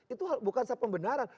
itu bukan sepembenaran